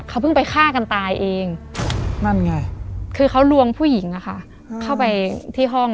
เขาเพิ่งไปฆ่ากันตายเองนั่นไงคือเขาลวงผู้หญิงอะค่ะเข้าไปที่ห้อง